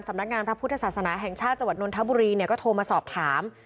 สำนักงานพระพุทธศาสนาแห่งชาติจนธบุรีก็โทรมาสอบถาม